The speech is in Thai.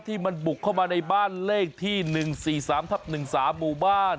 ที่มันบุกเข้ามาในบ้านเลขที่๑๔๓ทับ๑๓หมู่บ้าน